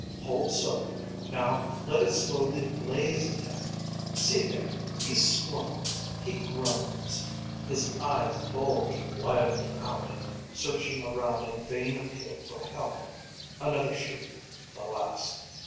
Hold so! Now let it slowly blaze again. See there! He squirms! He groans! His eyes bulge wildly out, Searching around in vain appeal for help! Another shriek, the last!